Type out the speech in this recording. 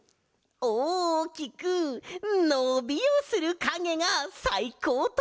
おおきくのびをするかげがさいこうとか？